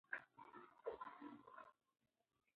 دا سیارې د لرغونو ټکرونو پایله ده.